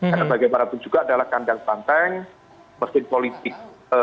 karena bagaimanapun juga adalah kandang pantang mesin politik